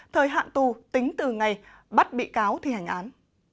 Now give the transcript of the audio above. thời hạn tù tính từ ngày bắt bị cáo thi hành án